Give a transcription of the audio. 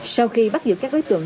sau khi bắt giữ các đối tượng